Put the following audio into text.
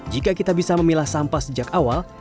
jika kita bisa memilah sampah sejak awal